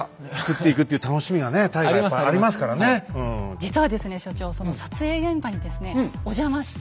実はですね所長その撮影現場にですねお邪魔して。